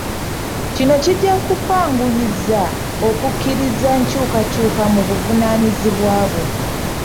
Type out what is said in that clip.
Kino kijja kukwanguyiza okukkiriza enkyukakyuka mu buvunaanyizibwa bwo.